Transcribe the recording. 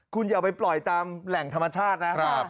คุณอย่าไปปล่อยตามแหล่งธรรมชาตินะ